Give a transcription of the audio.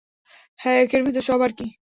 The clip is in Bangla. হ্যাঁ, একের ভেতর সব আর কি।